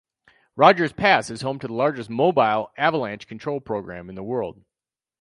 Rogers Pass is home to the largest mobile avalanche control program in the world.